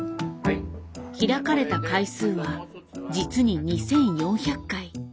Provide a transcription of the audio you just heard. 開かれた回数は実に２，４００回。